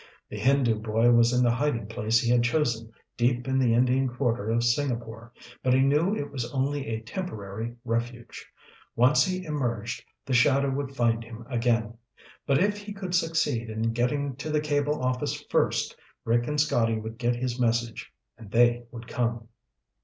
The Hindu boy was in the hiding place he had chosen deep in the Indian quarter of Singapore, but he knew it was only a temporary refuge. Once he emerged, the shadow would find him again. But if he could succeed in getting to the cable office first, Rick and Scotty would get his message, and they would come.